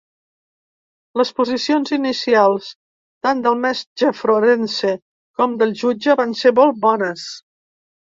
Les posicions inicials, tant del metge forense com del jutge, van ser molt bones.